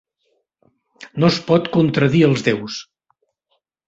No es pot contradir els déus.